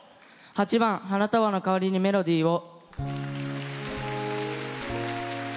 ８番「花束のかわりにメロディーを」。